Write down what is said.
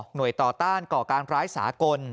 หน่วยต่อต้านขการร้ายสาหกล